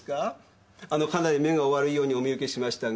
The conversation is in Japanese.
あのかなり目がお悪いようにお見受けしましたが。